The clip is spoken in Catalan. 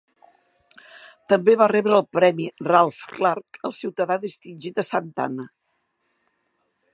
També va rebre el premi Ralph Clark al ciutadà distingit a Santa Ana.